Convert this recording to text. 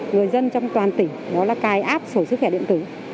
người dân trong toàn tỉnh đó là cài app sổ sức khỏe điện tử